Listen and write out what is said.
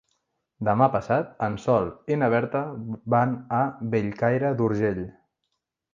Demà passat en Sol i na Berta van a Bellcaire d'Urgell.